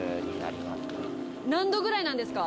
何度ぐらいなんですか？